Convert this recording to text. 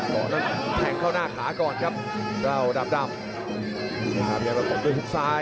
ตอนนั้นแทงเข้าหน้าขาก่อนครับเจ้าดำอย่าเปลี่ยนมาตรงด้วยทุกซ้าย